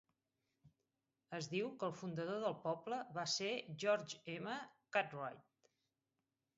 Es diu que el fundador del poble va ser George M. Cartwright.